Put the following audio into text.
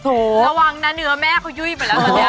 โถระวังนะเนื้อแม่เขายุ่ยไปแล้ว